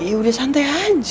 ya udah santai aja